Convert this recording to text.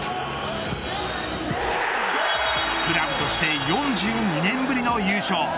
クラブとして４２年ぶりの優勝。